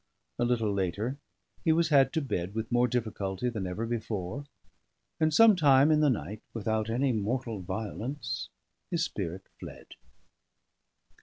A little later he was had to bed with more difficulty than ever before; and some time in the night, without any mortal violence, his spirit fled.